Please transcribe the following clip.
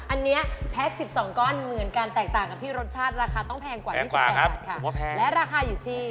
อันนี้แพ็ค๑๒ก้อนเหมือนกันแตกต่างกับที่รสชาติราคาต้องแพงกว่า๒๘บาทค่ะและราคาอยู่ที่